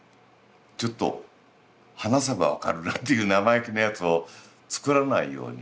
ちょっと話せば分かるなんていう生意気なやつをつくらないように。